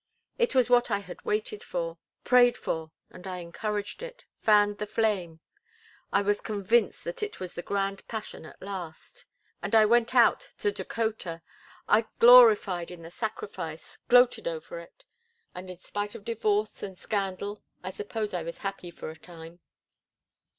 It was what I had waited for, prayed for, and I encouraged it, fanned the flame. I was convinced that it was the grand passion at last; and I went out to Dakota. I gloried in the sacrifice, gloated over it. And in spite of divorce and scandal I suppose I was happy for a time."